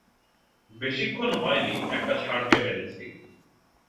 বেশীক্ষণ হয়নি একটা ষাড় কে মেরেছি।